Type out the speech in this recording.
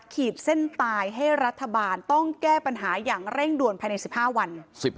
ขีดเส้นตายให้รัฐบาลต้องแก้ปัญหาอย่างเร่งด่วนภายใน๑๕วัน